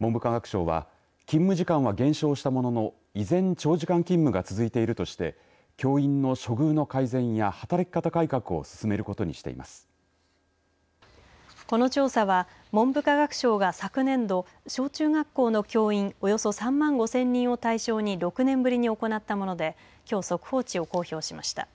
文部科学省は勤務時間は減少したものの依然、長時間勤務が続いているとして教員の処遇の改善や働き方改革をこの調査は文部科学省が昨年度小中学校の教員およそ３万５０００人を対象に６年ぶりに行ったものできょう、速報値を公表しました。